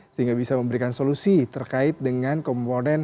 sehingga bisa memberikan solusi terkait dengan komponen